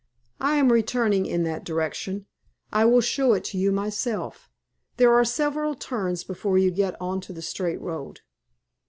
"I am returning in that direction. I will show it to you myself. There are several turns before you get on to the straight road."